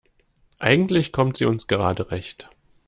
Eigentlich kommt sie uns gerade recht.